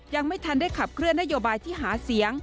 ยังไม่ทันได้ขับเคลื่อนนโยบายที่หาเสียง